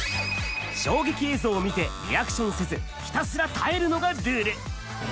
衝撃映像を見て、リアクションせず、ひたすら耐えるのがルール。